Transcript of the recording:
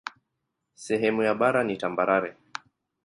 Sehemu ya bara ni tambarare.